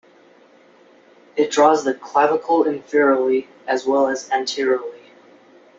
It draws the clavicle inferiorly as well as anteriorly.